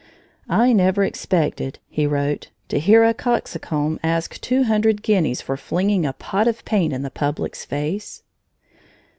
"I never expected," he wrote, "to hear a coxcomb ask two hundred guineas for flinging a pot of paint in the public's face!"